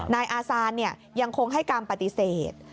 นายอาซานยังคงให้การปฏิเสธ